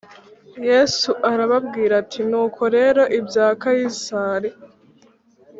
Yesu arababwira ati Nuko rero ibya Kayisari